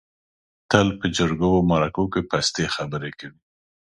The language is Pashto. تل په جرګو او مرکو کې پستې خبرې کوي.